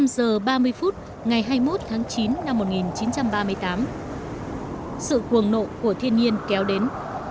một mươi giờ ba mươi phút ngày hai mươi một tháng chín năm một nghìn chín trăm ba mươi tám sự cuồng nộ của thiên nhiên kéo đến